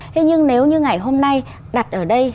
thế nhưng nếu như ngày hôm nay đặt ở đây